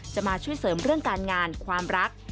จะมาช่วยเสริมเรื่องการงานความรัก